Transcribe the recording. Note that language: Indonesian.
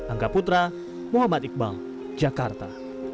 angga putra muhammad iqbal jakarta